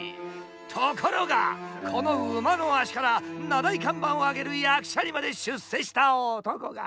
ところがこの馬の足から名題看板を上げる役者にまで出世した男が一人いる。